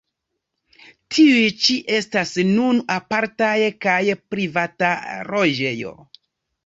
Tiuj ĉi estas nun apartaj kaj privata loĝejo.